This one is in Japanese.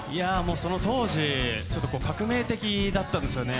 その当時、革命的だったんですよね。